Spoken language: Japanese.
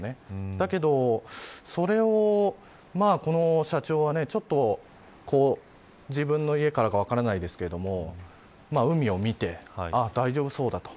だけど、それをこの社長はちょっと、自分の家からか分かりませんが海を見て大丈夫そうだと。